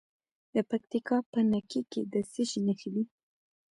د پکتیکا په نکې کې د څه شي نښې دي؟